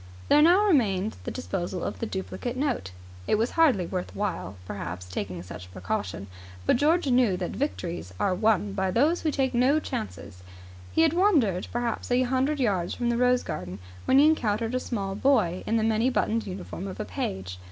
There now remained the disposal of the duplicate note. It was hardly worth while, perhaps, taking such a precaution, but George knew that victories are won by those who take no chances. He had wandered perhaps a hundred yards from the rose garden when he encountered a small boy in the many buttoned uniform of a page.